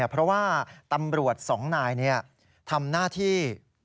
เพราะว่าตำรวจ๒นายทำหน้าที่